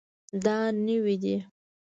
دا نوی دی